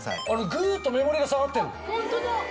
ぐっと目盛りが下がってる。